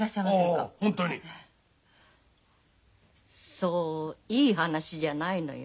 そういい話じゃないのよ。